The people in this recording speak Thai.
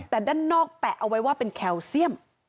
แต่ด้านนอกแปะเอาไว้ว่าเป็นแคลเซียม